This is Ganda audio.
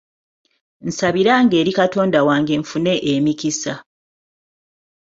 Nsabiranga eri Katonda wange nfune emikisa.